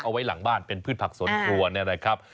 เอาไว้หลังบ้านเป็นพืชผักสวนครัวเนี่ยนะครับ